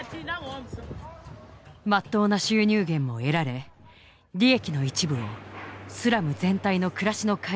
まっとうな収入源も得られ利益の一部をスラム全体の暮らしの改善にも充てられる。